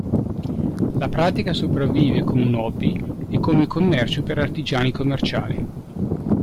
La pratica sopravvive come un "hobby" e come commercio per artigiani commerciali.